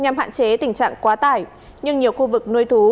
nhằm hạn chế tình trạng quá tải nhưng nhiều khu vực nuôi thú